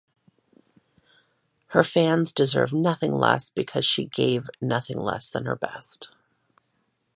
Her fans deserve nothing less because she gave nothing less than her best.